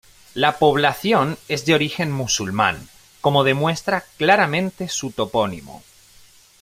La población es de origen musulmán, como demuestra claramente su topónimo.